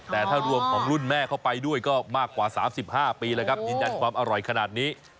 แต่ถ้ารวมของรุ่นแม่เข้าไปด้วยก็มากกว่า๓๕ปีแล้วครับยืนยันความอร่อยขนาดนี้